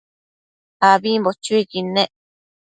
ambimbo chuiquid nec